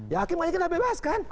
ya hakim kayaknya kita bebas kan